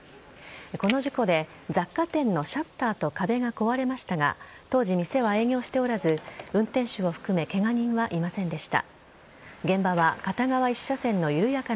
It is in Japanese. この事故で雑貨店のシャッターと壁が壊れましたが当時、店は営業しておらず運転手を含めケガ人はいませんでした。